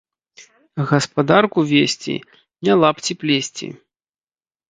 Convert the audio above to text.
Гаспадарку весці ‒ не лапці плесці